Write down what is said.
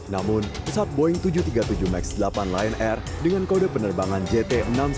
namun pesawat boeing tujuh ratus tiga puluh tujuh max delapan lion air dengan kode penerbangan jt enam ratus sepuluh